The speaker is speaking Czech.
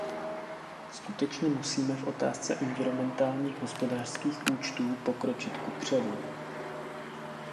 Skutečně musíme v otázce environmentálních hospodářských účtů pokročit kupředu.